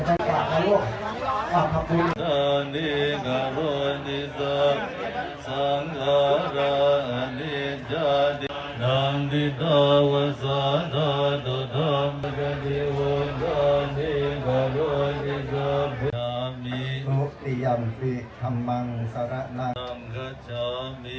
มุทธาวาธาเวรมณีสุพมิทธาจาราเวรมณีประทังสมาธิยามิมุทธาวาธาเวรมณีสุทธาประทังสมาธิยามิ